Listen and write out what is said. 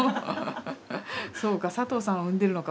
そうか佐藤さんを産んでるのか